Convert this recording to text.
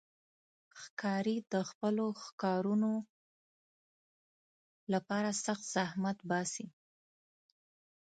ښکاري د خپلو ښکارونو لپاره سخت زحمت باسي.